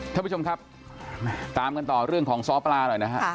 ท่านผู้ชมครับตามกันต่อเรื่องของซ้อปลาหน่อยนะฮะ